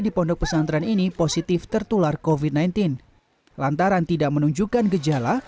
di pondok pesantren ini positif tertular kofit sembilan belas lantaran tidak menunjukkan gejala